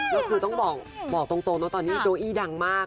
เราต้องบอกตรงตอนนี้โจอี้ดังมาก